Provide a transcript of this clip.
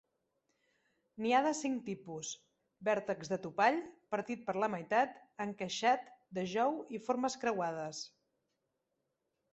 N'hi ha de cinc tipus, vèrtex de topall, partit per la meitat, encaixat, de jou y formes creuades.